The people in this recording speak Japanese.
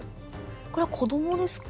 これは子どもですか？